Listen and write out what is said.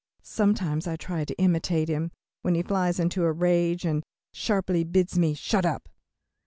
Sometimes I try to imitate him, when he flies into a rage and sharply bids me "shut up."